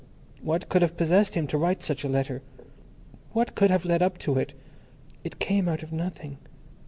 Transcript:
_ What could have possessed him to write such a letter! What could have led up to it! It came out of nothing.